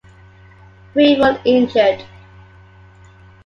Three were injured.